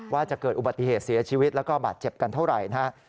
ว่าจะเกิดอุบัติเหตุเสียชีวิตแล้วก็บาดเจ็บกันเท่าไหร่นะครับ